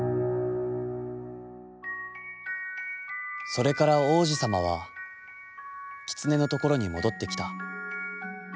「それから王子さまは、キツネのところに戻ってきた。